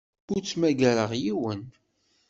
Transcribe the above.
Ur ttmagareɣ yiwen.